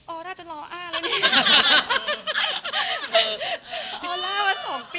โอร่าจะล้ออ่าแบบนี้